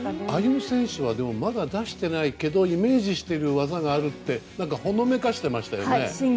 歩夢選手はまだ出していないけどイメージしている技があるってほのめかしていましたよね。